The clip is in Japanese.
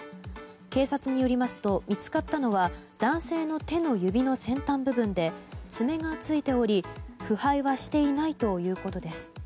警察によりますと見つかったのは男性の手の指の先端部分で爪がついており、腐敗はしていないということです。